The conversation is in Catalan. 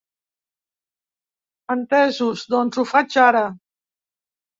Entesos, doncs ho faig ara.